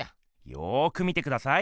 よく見てください！